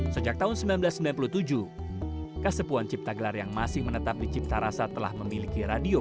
sejak tahun seribu sembilan ratus sembilan puluh tujuh kesepuan ciptagelar yang masih menetap di ciptarasa telah memiliki radio